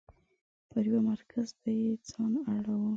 پر یو مرکز به یې ځان اړوه.